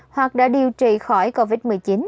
hoặc đã điều trị khỏi covid một mươi chín